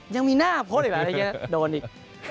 ยังมีหน้าโพสต์อีกหรอกโดนอีก